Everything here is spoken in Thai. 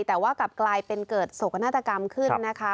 แต่ว่ากลับกลายเป็นเกิดโศกนาฏกรรมขึ้นนะคะ